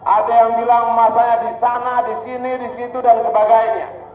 ada yang bilang masanya di sana di sini di situ dan sebagainya